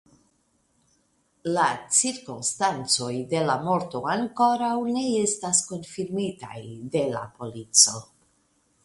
La cirkonstancoj de la morto ankoraŭ ne estas konfirmitaj de la polico.